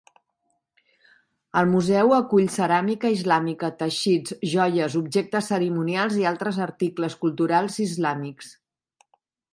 El museu acull ceràmica islàmica, teixits, joies, objectes cerimonials i altres articles culturals islàmics.